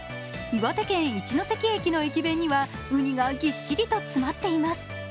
岩手県・一ノ関駅の駅弁にはウニがぎっしりと詰まっています。